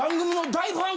大ファン！